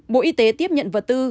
bộ y tế tiếp nhận vật tư